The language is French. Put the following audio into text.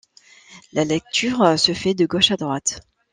La lecture se fait de gauche à droite.